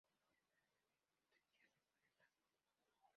Se trata de un potencial grupo de masas.